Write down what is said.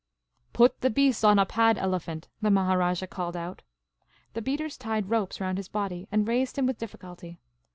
" Put the beast on a pad elephant," the Maharajah called out. The beaters tied ropes round his body and raised him with difficulty.